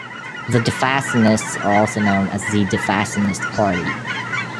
The Defastenists are also known as The Defastenist Party.